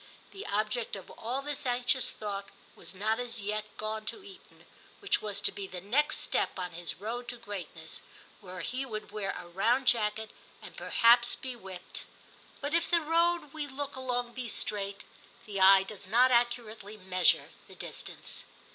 The object of all this anxious thought was not as yet gone to Eton, which was to be the next step on his road to greatness, where he would wear a round jacket, and perhaps be whipped ; but if the road we look along II TIM 21 be straight, the eye does not accurately measure the distance.